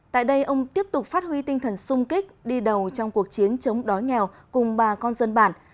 tại đây ông tiếp tục phát huy tinh thần sung kích đi đầu trong cuộc chiến chống đói nghèo cùng bà con dân bản